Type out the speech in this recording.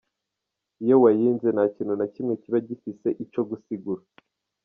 Iyo wayinze, nta kintu na kimwe kiba kigifise ico gisigura.